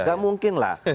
gak mungkin lah